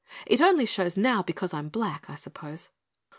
It only shows now because I'm black, I suppose."